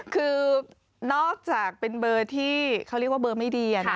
คือนอกจากเป็นเบอร์ที่เขาเรียกว่าเบอร์ไม่ดี